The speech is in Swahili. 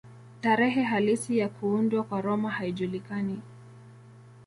Tarehe halisi ya kuundwa kwa Roma haijulikani.